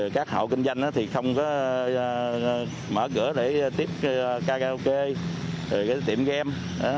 các hậu kinh doanh không mở cửa để tiếp karaoke tiệm game